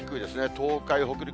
東海、北陸